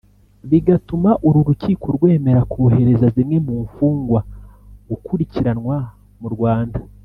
bigatuma uru rukiko rwemera kohereza zimwe mu mfungwa gukurikiranwa mu Rwanda